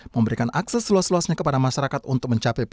memberikan akses seluas luasnya kepada masyarakat untuk mencapai ppkm